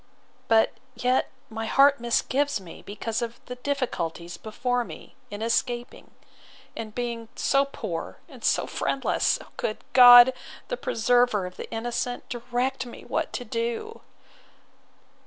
But yet my heart misgives me, because of the difficulties before me, in escaping; and being so poor and so friendless!—O good God! the preserver of the innocent! direct me what to do!